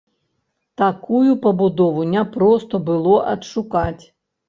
Такую пабудову няпроста было адшукаць.